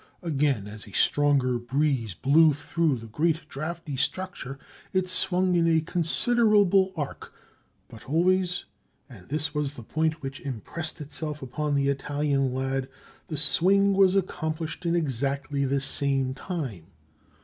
Again, as a stronger breeze blew through the great drafty structure, it swung in a considerable arc, but always—and this was the point which impressed itself upon the Italian lad—the swing was accomplished in exactly the same time.